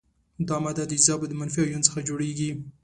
دا ماده د تیزابو د منفي ایون څخه جوړیږي.